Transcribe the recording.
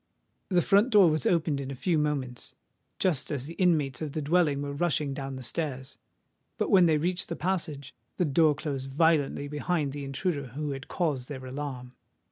The front door was opened in a few moments, just as the inmates of the dwelling were rushing down the stairs. But when they reached the passage, the door closed violently behind the intruder who had caused their alarm.